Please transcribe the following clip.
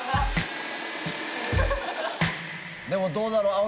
でもどうだろう？